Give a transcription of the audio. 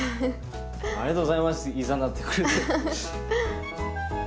ありがとうございますいざなってくれて。